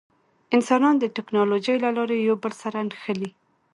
انسانان د ټکنالوجۍ له لارې یو بل سره نښلي.